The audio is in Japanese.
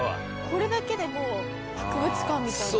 これだけでもう博物館みたいな。